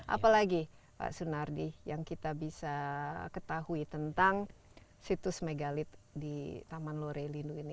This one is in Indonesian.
apalagi pak sunardi yang kita bisa ketahui tentang situs megalit di taman lorelinu ini